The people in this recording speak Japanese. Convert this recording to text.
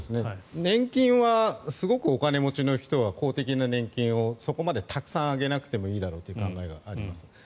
年金はすごくお金持ちの人が公的な年金をそこまでたくさんあげなくてもいいだろうという考えがあります。